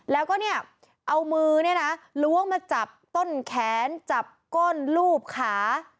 แล้วก็เนี่ยเอามือเนี่ยนะล้วงมาจับต้นแขนจับก้นลูบขา